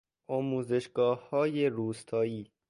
آموزشگاههای روستایی